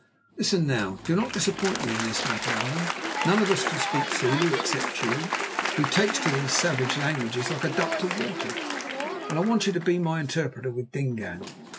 Listen now; do not disappoint me in this matter, Allan. None of us can speak Zulu except you, who takes to these savage languages like a duck to water, and I want you to be my interpreter with Dingaan.